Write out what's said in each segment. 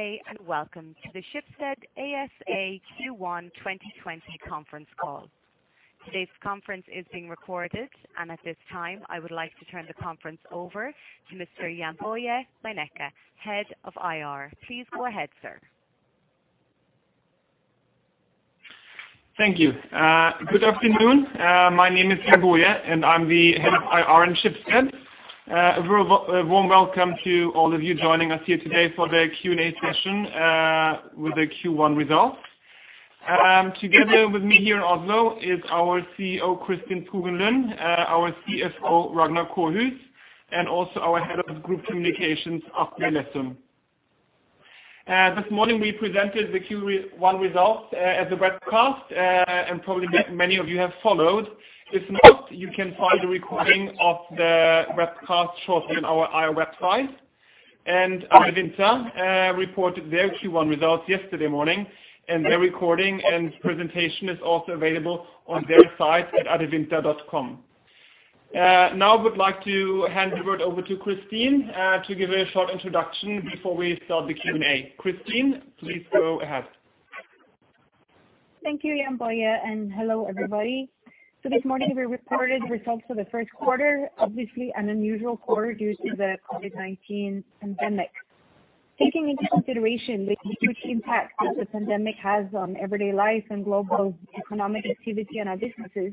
Hello, and welcome to the Schibsted ASA Q1 2020 conference call. Today's conference is being recorded, and at this time, I would like to turn the conference over to Mr.Jann-Boje Meinecke Head of IR. Please go ahead, Sir. Thank you. Good afternoon. My name is Jann-Boje, and I'm the Head of IR in Schibsted. A very well welcome to all of you joining us here today for the Q&A session, with the Q1 results. Together with me here in Oslo is our CEO, Christian Printzell Halvorsen, our CFO, Ragnar Kårhus, and also our Head of Group Communications, Atle Lessum. This morning we presented the Q1 results, at the webcast, and probably many of you have followed. If not, you can find the recording of the webcast shortly on our IR website. Adevinta reported their Q1 results yesterday morning, and their recording and presentation is also available on their site at adevinta.com. Now I would like to hand the word over to Christian, to give a short introduction before we start the Q&A. Christian, please go ahead. Thank you, Jann-Boje, and hello everybody. So this morning we reported results for the first quarter, obviously an unusual quarter due to the COVID-19 pandemic. Taking into consideration the huge impact that the pandemic has on everyday life and global economic activity and our businesses,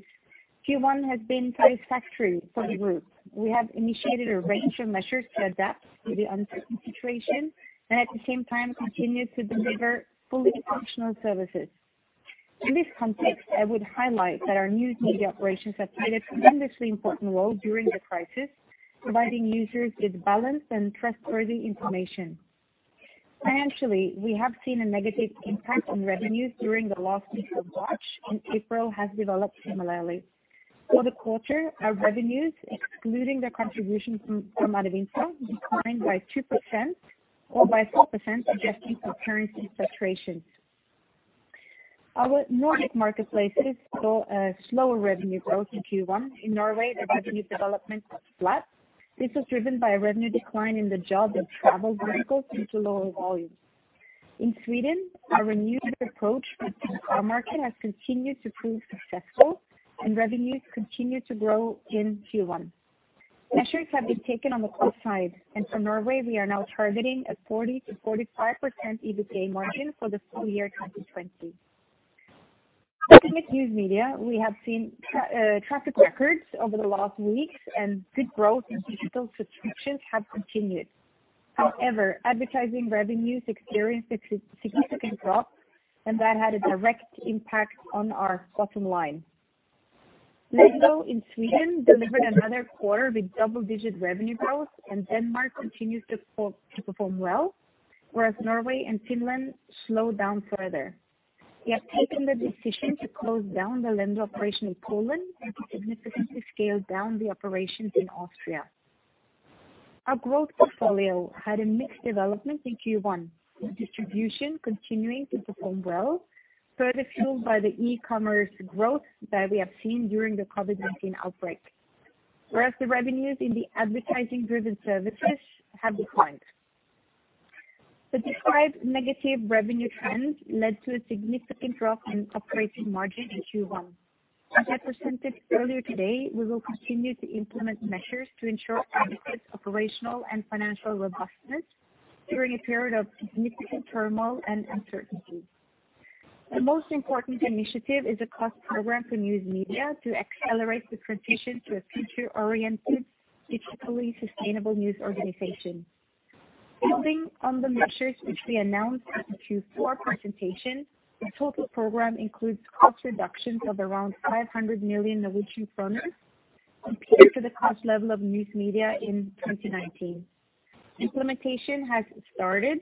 Q1 has been satisfactory for the group. We have initiated a range of measures to adapt to the uncertain situation and at the same time continue to deliver fully functional services. In this context, I would highlight that our News Media operations have played a tremendously important role during the crisis, providing users with balanced and trustworthy information. Financially, we have seen a negative impact on revenues during the last week of March, and April has developed similarly. For the quarter, our revenues, excluding the contributions from Adevinta, declined by 2% or by 4%, suggesting currency fluctuations. Our Nordic Marketplaces saw a slower revenue growth in Q1. In Norway, the revenue development was flat. This was driven by a revenue decline in the job and travel verticals due to lower volumes. In Sweden, our renewed approach with the car market has continued to prove successful, and revenues continue to grow in Q1. Measures have been taken on the plus side, and for Norway, we are now targeting a 40%-45% EBITDA margin for the full year 2020. Looking at News Media, we have seen traffic records over the last weeks, and good growth in digital subscriptions have continued. However, advertising revenues experienced a significant drop, and that had a direct impact on our bottom line. Lendo in Sweden delivered another quarter with double-digit revenue growth, and Denmark continues to perform well, whereas Norway and Finland slowed down further. We have taken the decision to close down the Lendo operation in Poland and to significantly scale down the operations in Austria. Our growth portfolio had a mixed development in Q1, with distribution continuing to perform well, further fueled by the e-commerce growth that we have seen during the COVID-19 outbreak, whereas the revenues in the advertising-driven services have declined. The described negative revenue trends led to a significant drop in operating margin in Q1. As I presented earlier today, we will continue to implement measures to ensure adequate operational and financial robustness during a period of significant turmoil and uncertainty. The most important initiative is a cost program for News Media to accelerate the transition to a future-oriented, digitally sustainable news organization. Building on the measures which we announced at the Q4 presentation, the total program includes cost reductions of around 500 million Norwegian kroner, compared to the cost level of News Media in 2019. Implementation has started,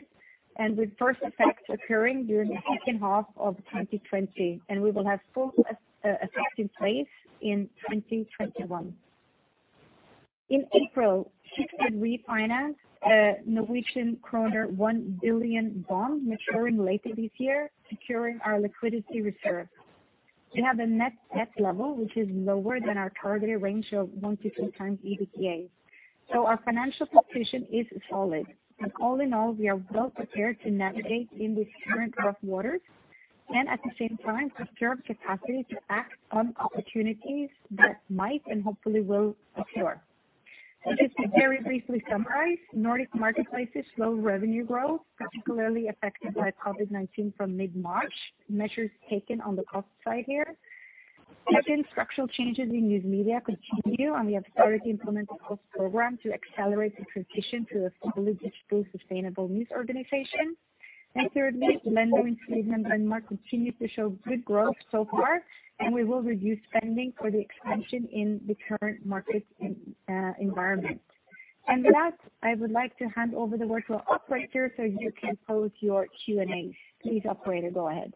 and with first effects occurring during the second half of 2020, and we will have full effect in place in 2021. In April, Schibsted refinanced a Norwegian kroner one billion bond, maturing later this year, securing our liquidity reserve. We have a net debt level which is lower than our targeted range of one to two times EBITDA. So our financial position is solid, and all in all, we are well prepared to navigate in these current rough waters and, at the same time, preserve capacity to act on opportunities that might and hopefully will occur. I'll just very briefly summarize: Nordic Marketplaces' slow revenue growth, particularly affected by COVID-19 from mid-March, measures taken on the cost side here. Second, structural changes in News Media continue, and we have started to implement a cost program to accelerate the transition to a fully digitally sustainable news organization, and thirdly, Lendo in Sweden and Denmark continue to show good growth so far, and we will reduce spending for the expansion in the current market environment, and with that, I would like to hand over the word to our operator so you can pose your Q&A. Please, operator, go ahead.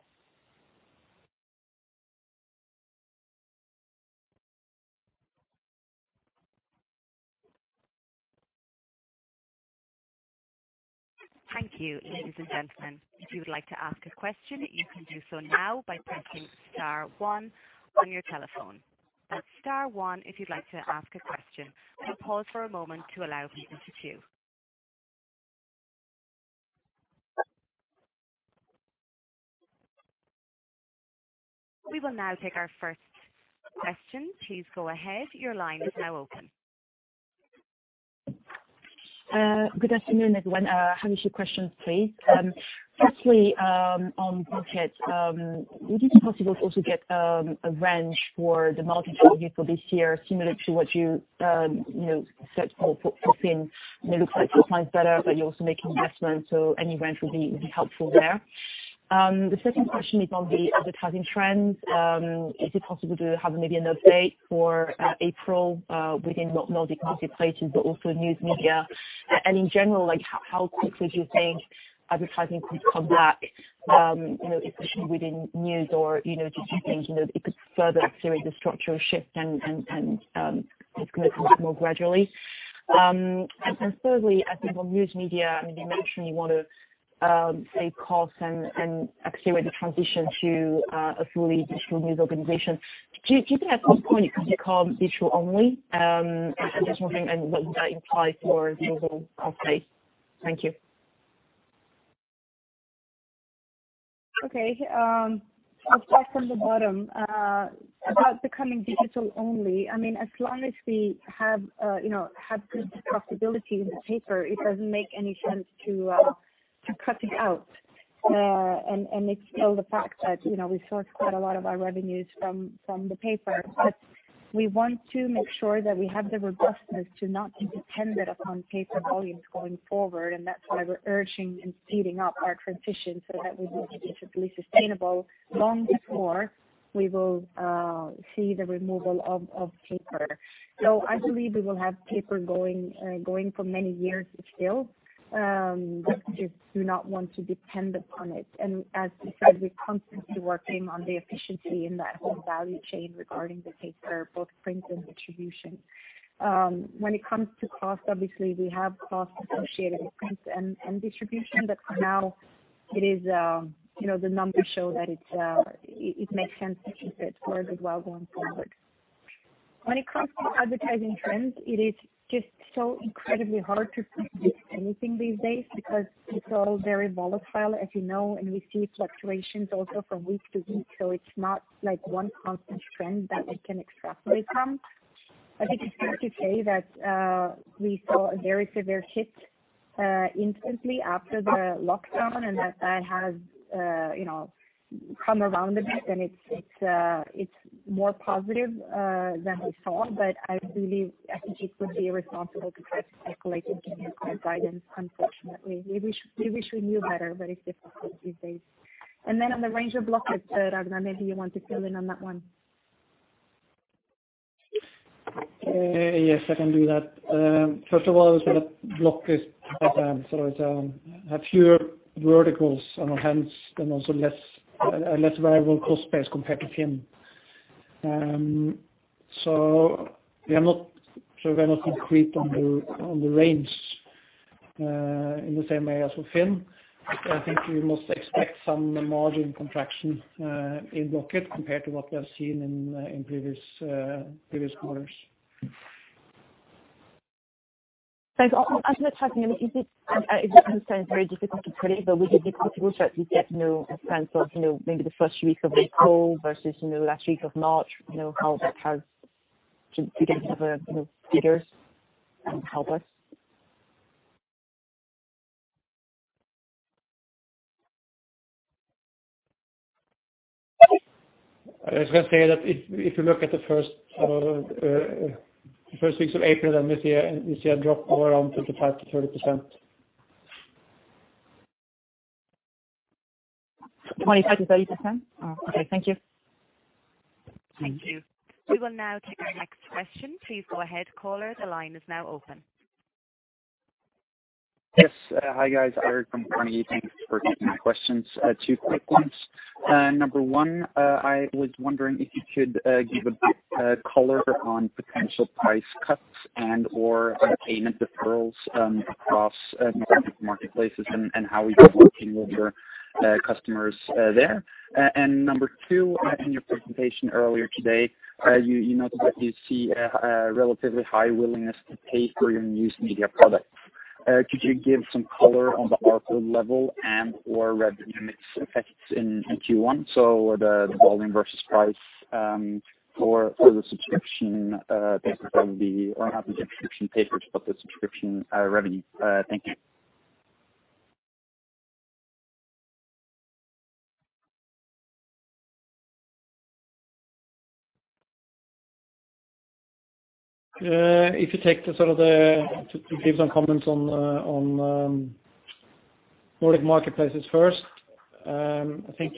Thank you, ladies and gentlemen. If you would like to ask a question, you can do so now by pressing star one on your telephone. Press star one if you'd like to ask a question. We'll pause for a moment to allow people to queue. We will now take our first question. Please go ahead. Your line is now open. Good afternoon, everyone. I have a few questions, please. Firstly, on budget, would it be possible to also get a range for the market for this year, similar to what you, you know, set for Finn? And it looks like supply's better, but you're also making investments, so any range would be helpful there. The second question is on the advertising trends. Is it possible to have maybe an update for April within Nordic Marketplaces, but also News Media? And in general, like, how quickly do you think advertising could come back, you know, especially within news? Or, you know, did you think it could further accelerate the structural shift and it's gonna come back more gradually? Thirdly, I think on News Media. I mean, you mentioned you wanna save costs and accelerate the transition to a fully digital news organization. Do you think at some point it could become digital only? I'm just wondering, and what would that imply for the overall marketplace? Thank you. Okay. I'll start from the bottom. About becoming digital only, I mean, as long as we have, you know, good profitability in the paper, it doesn't make any sense to cut it out, and accept the fact that, you know, we source quite a lot of our revenues from the paper. But we want to make sure that we have the robustness to not be dependent upon paper volumes going forward, and that's why we're urging and speeding up our transition so that we're more digitally sustainable long before we will see the removal of paper. So I believe we will have paper going for many years still. But just do not want to depend upon it. And as you said, we're constantly working on the efficiency in that whole value chain regarding the paper, both print and distribution. When it comes to cost, obviously, we have costs associated with print and distribution, but for now, it is, you know, the numbers show that it makes sense to keep it for a good while going forward. When it comes to advertising trends, it is just so incredibly hard to predict anything these days because it's all very volatile, as you know, and we see fluctuations also from week to week. So it's not like one constant trend that we can extrapolate from. I think it's fair to say that we saw a very severe hit instantly after the lockdown, and that has, you know, come around a bit, and it's more positive than we thought. But I believe it would be irresponsible to try to speculate and give you guidance, unfortunately. We wish, we wish we knew better, but it's difficult these days, and then on the range of Blocket, Ragnar, maybe you want to fill in on that one. Yes, I can do that. First of all, I would say that Blocket has fewer verticals on our hands and also less variable cost base compared to Finn. So we are not concrete on the range in the same way as with Finn. I think you must expect some margin contraction in Blocket compared to what we have seen in previous quarters. Thanks. As we were talking, I mean, is it very difficult to predict? But would it be possible to at least get a sense of, you know, maybe the first week of April versus, you know, last week of March, you know, how that has to get a bit of a, you know, figures and help us? I was gonna say that if you look at the first weeks of April, then we see a drop of around 25%-30%. 25%-30%? Oh, okay. Thank you. Thank you. We will now take our next question. Please go ahead, caller. The line is now open. Yes. Hi, guys. Thanks for taking my questions. Two quick ones. Number one, I was wondering if you could give a color on potential price cuts and/or payment deferrals across Nordic Marketplaces and how we've been working with your customers there. And number two, in your presentation earlier today, you noted that you see a relatively high willingness to pay for your News Media products. Could you give some color on the RPO level and/or revenue mix effects in Q1? So the volume versus price for the subscription, basically, or not the subscription papers, but the subscription revenue. Thank you. If you take the sort of to give some comments on Nordic Marketplaces first, I think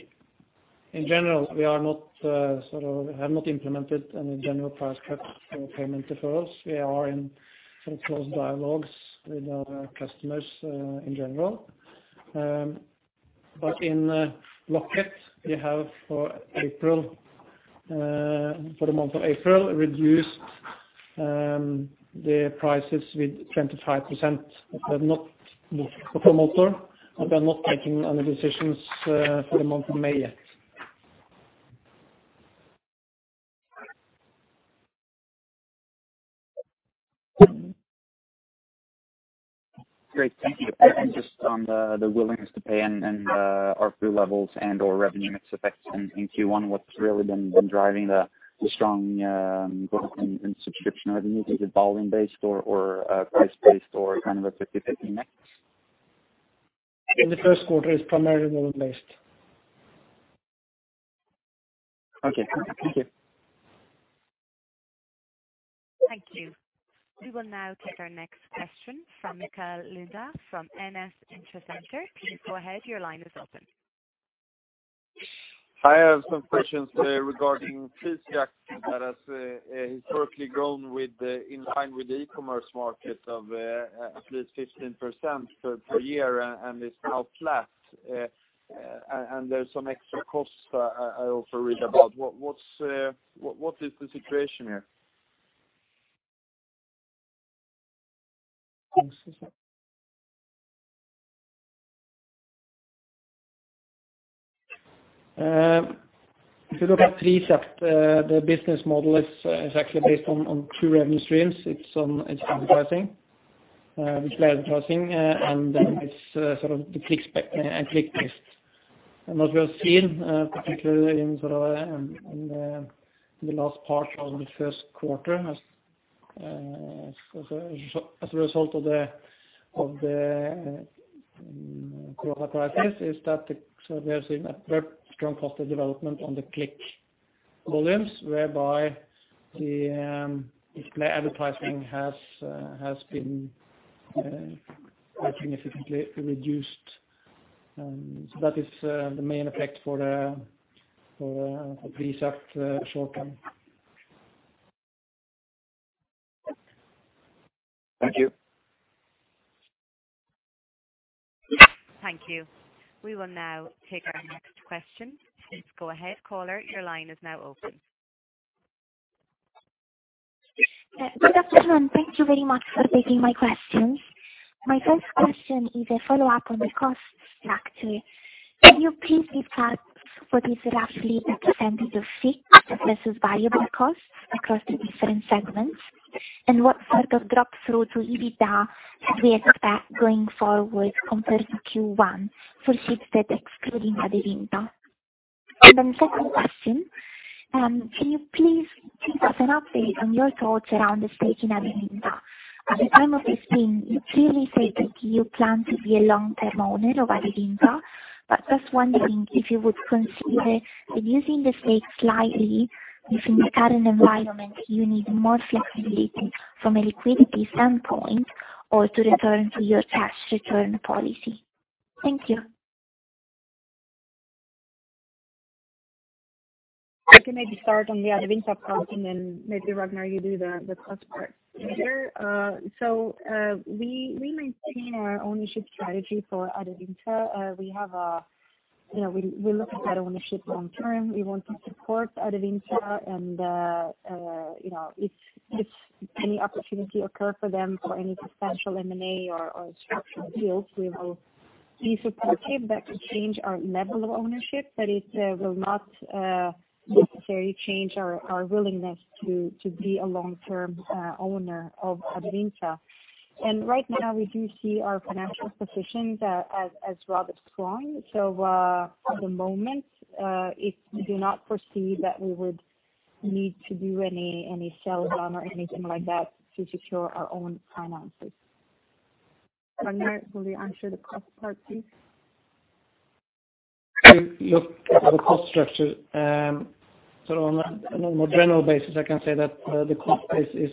in general, we have not implemented any general price cuts or payment deferrals. We are in sort of close dialogues with our customers, in general, but in Blocket, we have for the month of April reduced the prices by 25%. We're monitoring, but we're not making any decisions for the month of May yet. Great. Thank you. Just on the willingness to pay and RPO levels and/or revenue mix effects in Q1, what's really been driving the strong growth in subscription revenue? Is it volume-based or price-based or kind of a 50/50 mix? In the first quarter, it's primarily volume-based. Okay. Thank you. Thank you. We will now take our next question from Mikal Lundahl from NS Intercenter. Please go ahead. Your line is open. I have some questions regarding FINN's gap that has historically grown with in line with the e-commerce market of at least 15% per year, and it's now flat, and there's some extra costs I also read about. What is the situation here? If you look at three steps, the business model is exactly based on two revenue streams. It's advertising, display advertising, and then it's sort of the click-based. What we have seen, particularly in the last part of the first quarter, as a result of the corona crisis, is that we have seen a very strong positive development on the click volumes, whereby the display advertising has been quite significantly reduced. That is the main effect for the three step short term. Thank you. Thank you. We will now take our next question. Please go ahead, caller. Your line is now open. Good afternoon. Thank you very much for taking my questions. My first question is a follow-up on the cost factor. Can you please discuss what is roughly the percentage of fixed versus variable costs across the different segments? And what sort of drop-through to EBITDA should we expect going forward compared to Q1 for Schibsted excluding Adevinta? And then second question, can you please give us an update on your thoughts around the stake in Adevinta? At the time of this spin-off, you clearly stated you plan to be a long-term owner of Adevinta, but just wondering if you would consider reducing the stake slightly if, in the current environment, you need more flexibility from a liquidity standpoint or to return to your cash return policy. Thank you. I can maybe start on the Adevinta front, and then maybe, Ragnar, you do the cost part. Sure. So, we maintain our ownership strategy for Adevinta. We have a, you know, we look at that ownership long-term. We want to support Adevinta, and, you know, if any opportunity occurs for them for any substantial M&A or structural deals, we will be supportive. That could change our level of ownership, but it will not necessarily change our willingness to be a long-term owner of Adevinta. And right now, we do see our financial position as rather strong. So, at the moment, it's we do not foresee that we would need to do any sales on or anything like that to secure our own finances. Ragnar, will you answer the cost part, please? If you look at the cost structure, sort of on a more general basis, I can say that the cost base is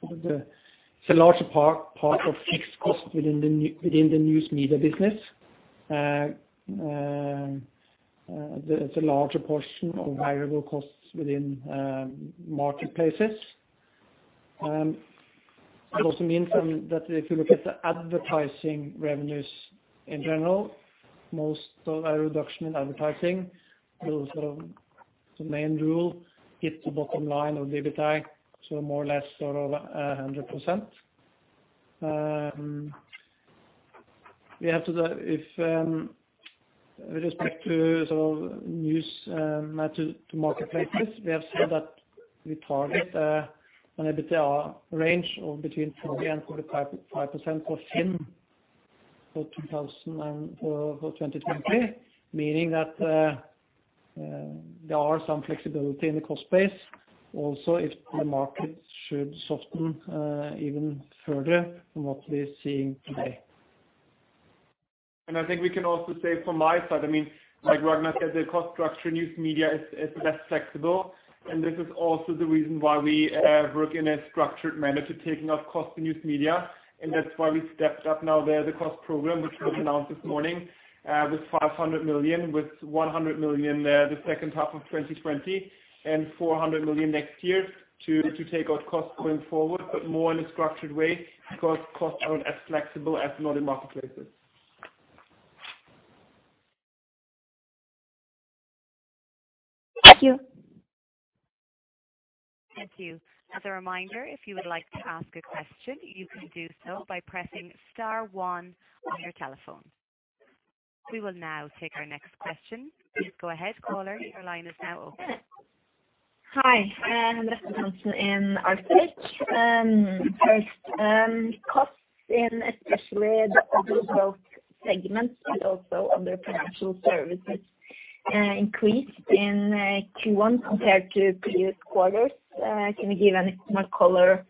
sort of it's a larger part of fixed cost within the News Media business. It's a larger portion of variable costs within marketplaces. It also means that if you look at the advertising revenues in general, most of our reduction in advertising will sort of mainly hit the bottom line of the EBITDA, so more or less sort of 100%. We have, with respect to sort of news to marketplaces, we have said that we target an EBITDA range of between 40% and 45.5% for Finn for 2020 and for 2021, meaning that there is some flexibility in the cost base also if the market should soften even further from what we're seeing today. I think we can also say from my side, I mean, like Ragnar said, the cost structure in News Media is less flexible. This is also the reason why we work in a structured manner to take out costs in News Media. That's why we stepped up now the cost program, which we've announced this morning, with 500 million, with 100 million in the second half of 2020, and 400 million next year to take out costs going forward, but more in a structured way because costs aren't as flexible as in other marketplaces. Thank you. Thank you. As a reminder, if you would like to ask a question, you can do so by pressing star one on your telephone. We will now take our next question. Please go ahead, caller. Your line is now open. Hi. I'm just going to answer in RPH first. Costs, especially in the overall growth segments, but also under Financial Services, increased in Q1 compared to previous quarters. Can you give any guidance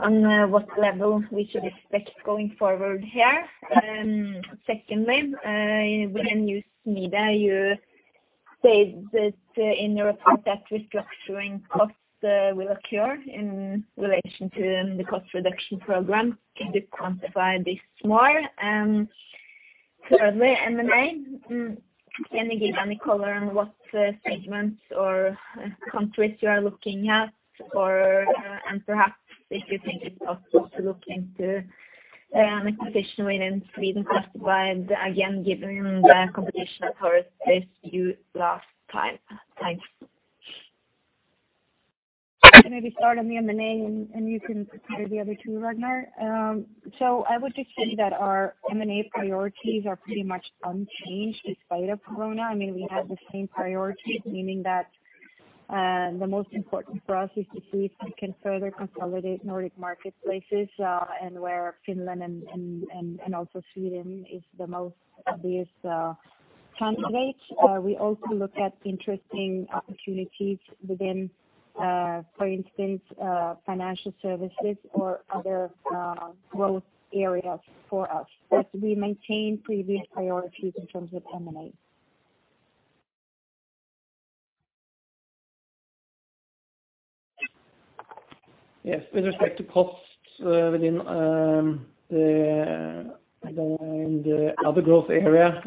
on what level we should expect going forward here? Secondly, within News Media, you stated in your report that restructuring costs will occur in relation to the cost reduction program. Could you quantify this more? Thirdly, M&A. Can you give any guidance on what segments or countries you are looking at, or and perhaps if you think it's possible to look into an acquisition within Swedish classifieds again, given the competition for this last time? Thanks. Can I maybe start on the M&A and you can prepare the other two, Ragnar? So I would just say that our M&A priorities are pretty much unchanged despite of corona. I mean, we have the same priorities, meaning that the most important for us is to see if we can further consolidate Nordic Marketplaces, and where Finland and also Sweden is the most obvious places. We also look at interesting opportunities within, for instance, Financial Services or other growth areas for us. But we maintain previous priorities in terms of M&A. Yes. With respect to costs, within the other growth area,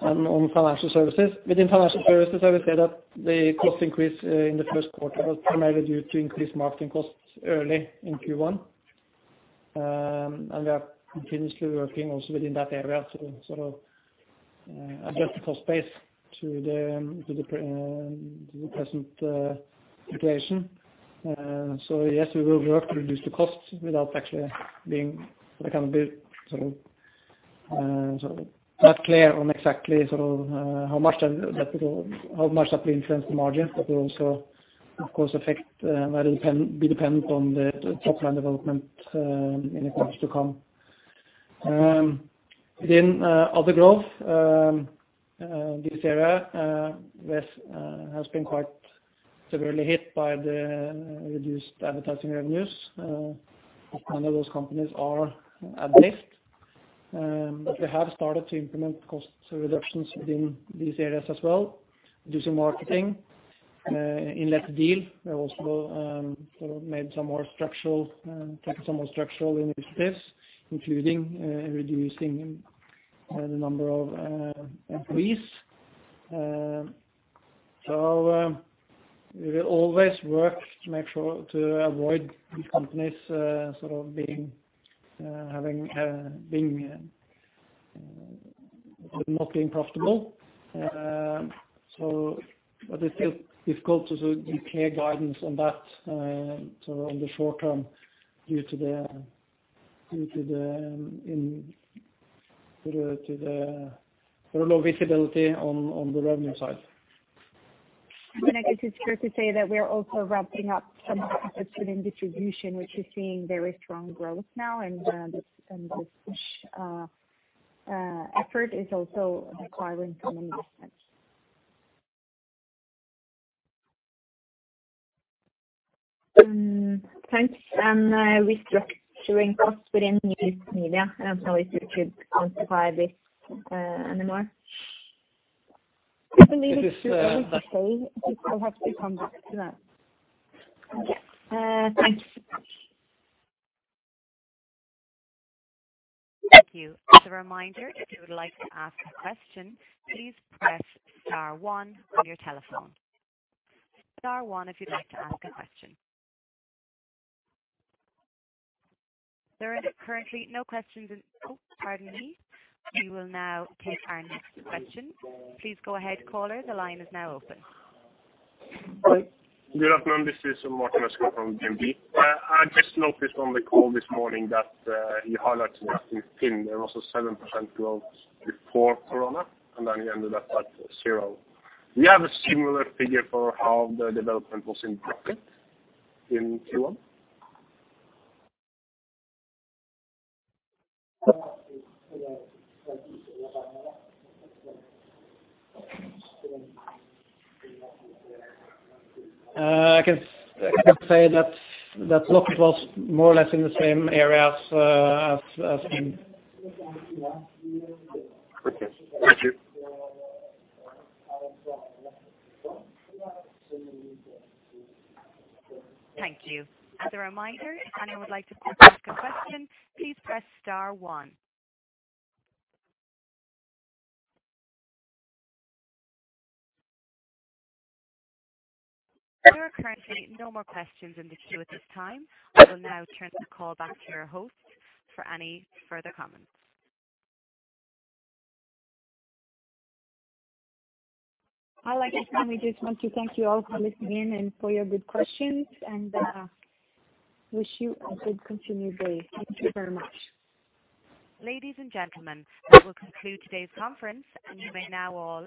on Financial Services, within Financial Services, I would say that the cost increase in the first quarter was primarily due to increased marketing costs early in Q1. And we are continuously working also within that area to sort of adjust the cost base to the present situation. So yes, we will work to reduce the costs without actually being sort of not clear on exactly how much that will influence the margins, but will also, of course, be dependent on the top line development in the quarters to come. Within other growth areas, we've been quite severely hit by the reduced advertising revenues. Most of those companies are ad-based. But we have started to implement cost reductions within these areas as well, reducing marketing and lead deals. We have also sort of taken some more structural initiatives, including reducing the number of employees. So we will always work to make sure to avoid these companies sort of not being profitable. But it's still difficult to give clear guidance on that sort of on the short term due to the sort of low visibility on the revenue side. And I guess it's fair to say that we are also ramping up some of the footprint distribution, which is seeing very strong growth now, and this effort is also requiring some investment. Thanks. Restructuring costs within News Media. I don't know if you could quantify this anymore. I believe it's fair to say it will have to come back to that. Okay. thanks. Thank you. As a reminder, if you would like to ask a question, please press star one on your telephone. Star one if you'd like to ask a question. There are currently no questions. Oh, pardon me. We will now take our next question. Please go ahead, caller. The line is now open. Hi. Good afternoon. This is Martin Esken from GMP. I just noticed on the call this morning that you highlighted that in Finn there was a 7% growth before corona and then you ended up at zero. Do you have a similar figure for how the development was in Blocket in Q1? I can say that look, it was more or less in the same areas, as in. Okay. Thank you. Thank you. As a reminder, if anyone would like to ask a question, please press star one. There are currently no more questions in the queue at this time. I will now turn the call back to your host for any further comments. I guess then we just want to thank you all for listening in and for your good questions, and wish you a good continued day. Thank you very much. Ladies and gentlemen, that will conclude today's conference, and you may now all.